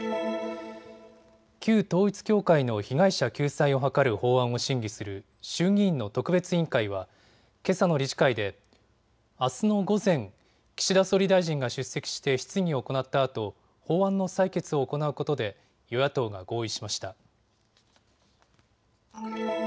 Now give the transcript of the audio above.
旧統一教会の被害者救済を図る法案を審議する衆議院の特別委員会はけさの理事会であすの午前、岸田総理大臣が出席して質疑を行ったあと法案の採決を行うことで与野党が合意しました。